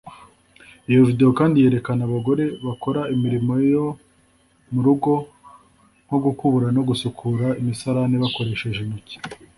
Iyo video kandi yerekana abagore bakora imirimo yo mu rugo nko gukubura no gusukura imisarane bakoresheje intoki